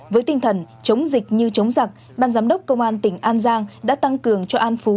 với tinh thần chống dịch như chống giặc ban giám đốc công an tỉnh an giang đã tăng cường cho an phú